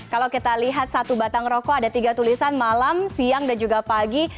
kalau kita lihat satu batang rokok ada tiga tulisan malam siang dan juga pagi